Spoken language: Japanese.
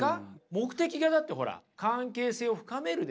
目的がだってほら関係性を深めるですから。